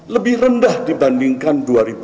lebih rendah dibandingkan dua ribu tiga belas